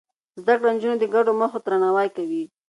زده کړې نجونې د ګډو موخو درناوی کوي.